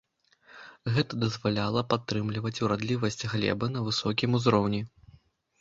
Гэта дазваляла падтрымліваць урадлівасць глебы на высокім узроўні.